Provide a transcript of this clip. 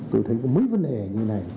tôi thấy mấy vấn đề như này